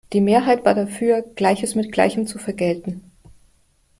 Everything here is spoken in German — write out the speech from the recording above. Die Mehrheit war dafür, Gleiches mit Gleichem zu vergelten.